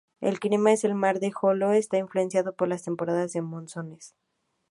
El clima en el mar de Joló está influenciado por las temporadas de monzones.